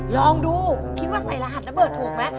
ลองดูคิดว่าใส่รหัสระเบิดถูกไหม